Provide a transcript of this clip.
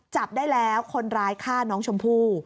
จับได้แล้วคนร้ายฆ่าน้องชมพู่